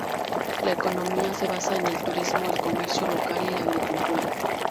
La economía se basa en el turismo, el comercio local y la agricultura.